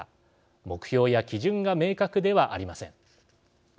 目標や基準が明確ではありません。